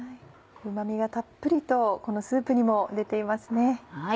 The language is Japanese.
うま味がたっぷりとこのスープにも出ていますね。